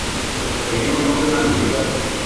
que tengo que coger una cosita.